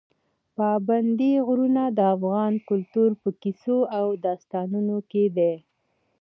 پابندي غرونه د افغان کلتور په کیسو او داستانونو کې دي.